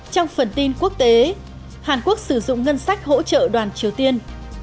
trong phần tin quốc tế hàn quốc sử dụng ngân sách hỗ trợ đoàn triều tiên